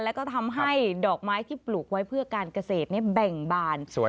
แล้วก็ทำให้ดอกไม้ที่ปลูกไว้เพื่อการเกษตรแบ่งบาน